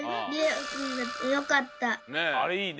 あれいいね。